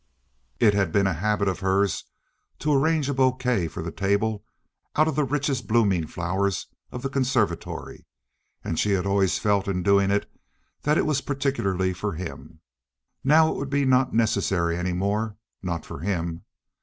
It had been a habit of hers to arrange a bouquet for the table out of the richest blooming flowers of the conservatory, and she had always felt in doing it that it was particularly for him. Now it would not be necessary any more—not for him.